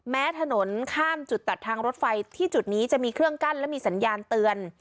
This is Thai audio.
แม้ถนนข้ามจุดตัดทางรถไฟที่จุดนี้จะมีเครื่องกั้นและมีสัญญาณเตือน